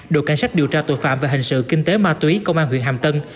đội cảnh sát điều tra tội phạm về hình sự kinh tế ma túy công an huyện hàm tân